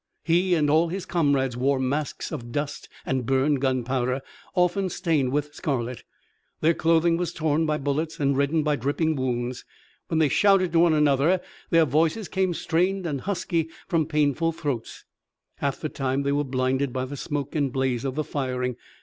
He and all his comrades wore masks of dust and burned gunpowder, often stained with scarlet. Their clothing was torn by bullets and reddened by dripping wounds. When they shouted to one another their voices came strained and husky from painful throats. Half the time they were blinded by the smoke and blaze of the firing.